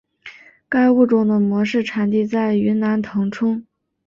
该物种的模式产地在云南腾冲。